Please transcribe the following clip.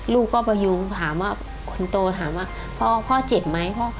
ลูกก็ไปอยู่คุณโตถามว่าพ่อเจ็บไหม